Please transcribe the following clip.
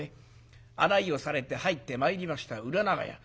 案内をされて入って参りました裏長屋。